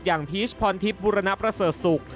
อย่างพีชพอนทิพย์บุรณประเสริฐสุข